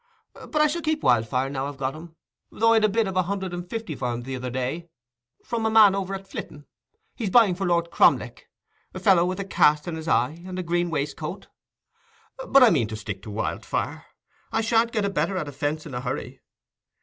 But I shall keep Wildfire, now I've got him, though I'd a bid of a hundred and fifty for him the other day, from a man over at Flitton—he's buying for Lord Cromleck—a fellow with a cast in his eye, and a green waistcoat. But I mean to stick to Wildfire: I shan't get a better at a fence in a hurry.